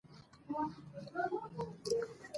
د ادلون بدلون په دې طريقه کې